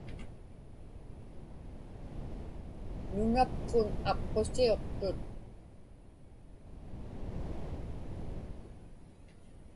Nunapkun apqusiuqtut.